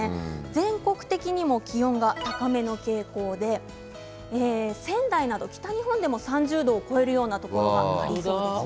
全国的にも気温が高めの傾向で仙台など北日本でも３０度を超えるところがありそうです。